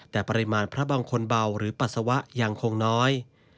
แต่ปริมาณพระบางคนเบาหรือปัสสาวะยังคงน้อย